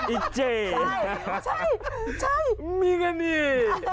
อีเจมีเงินนี่